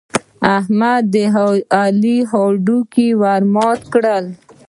احمد د علي هډونه ور مات کړل.